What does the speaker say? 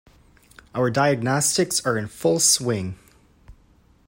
Our diagnostics are in full swing.